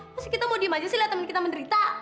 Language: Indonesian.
pasti kita mau diem aja sih lihat temen kita menderita